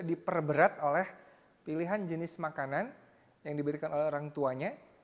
diperberat oleh pilihan jenis makanan yang diberikan oleh orang tuanya